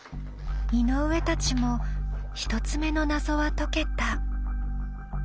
井上たちも１つ目の謎は解けた。